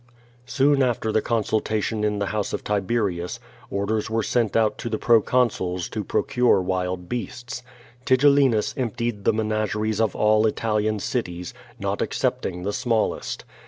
Soon after the consultation in the house of Tibe rius, orders were sent out to the pro consuls to procure wild beasts. Tigellinus em])tied the menageries of all Italian cities, not excepting the smallest.